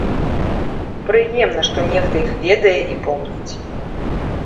Прыемна, што нехта іх ведае і помніць.